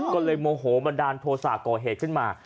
ก็เลยโมโหบันดาลโทษะก่อเหตุขึ้นมา